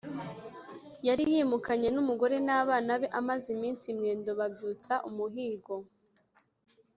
yari yimukanye n'umugore n'abana be! Amaze iminsi i Mwendo babyutsa umuhigo